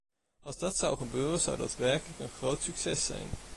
Als dat zou gebeuren zou dat werkelijk een groot succes zijn.